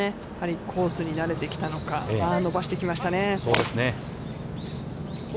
やはりコースになれてきたのか、伸ばしてきましたね。